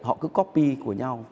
họ cứ copy của nhau